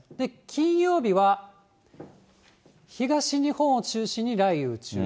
金曜日は、東日本を中心に雷雨に注意。